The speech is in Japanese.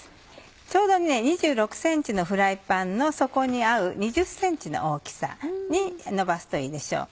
ちょうど２６ｃｍのフライパンの底に合う２０ｃｍの大きさにのばすといいでしょう。